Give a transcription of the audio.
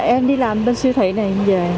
em đi làm bên siêu thị này